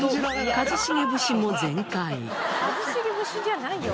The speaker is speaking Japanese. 一茂節じゃないよ